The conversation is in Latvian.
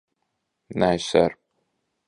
Nē, ser.